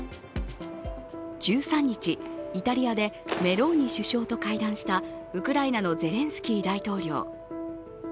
１３日、イタリアでメローニ首相と会談したウクライナのゼレンスキー大統領。